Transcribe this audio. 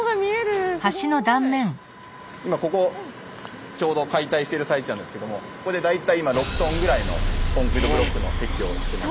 今ここをちょうど解体してる最中なんですけどもここで大体今６ｔぐらいのコンクリートブロックの撤去をしてます。